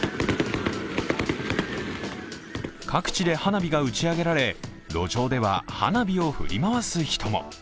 各地で花火が打ち上げられ路上では花火を振り回す人も。